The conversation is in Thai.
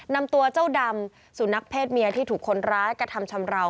นำตัวเจ้าดำสุนัขเพศเมียที่ถูกคนร้ายกระทำชำราว